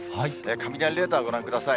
雷レーダーをご覧ください。